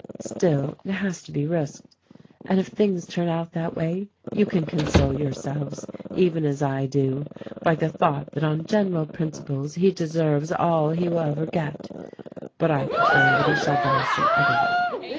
Still, it has to be risked, and if things turn out that way you can con sole yourselves — even as I do — by the thought that on gen eral principles he deserves all he will ever get. But I prefer that he shall die some other way.